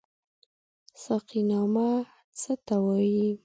ساقينامه څه ته وايي؟